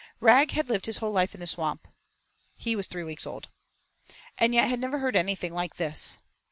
Rag had lived his whole life in the Swamp (he was three weeks old) and yet had never heard anything like this.